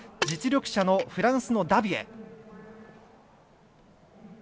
実力者のフランスのダビエ。